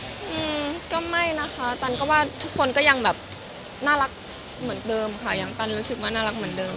อืมก็ไม่นะคะตันก็ว่าทุกคนก็ยังแบบน่ารักเหมือนเดิมค่ะยังตันรู้สึกว่าน่ารักเหมือนเดิม